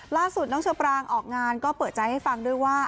ล่าสุดน้องเชอปรางออกงานก็เปิดใจให้ฟังด้วยว่า